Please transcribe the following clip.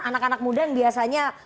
anak anak muda yang biasanya